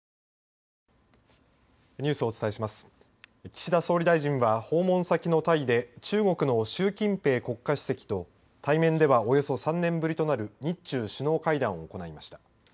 岸田総理大臣は訪問先のタイで中国の習近平国家主席と対面ではおよそ３年ぶりとなる日中首脳会談を行いました。